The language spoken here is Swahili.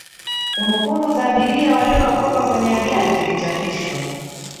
kumbukumbu za abiria waliookoka kwenya ajali zilichapishwa